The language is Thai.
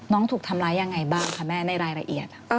น้องถูกทำร้ายอย่างไรบ้างค่ะแม่ในรายละเอียด